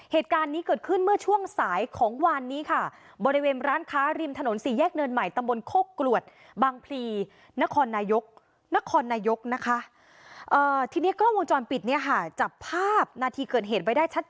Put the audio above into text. เหตุการณ์นี้เกิดขึ้นเมื่อช่วงสายของวันนี้ค่ะบริเวณร้านค้าริมถนนสี่แยกเนินใหม่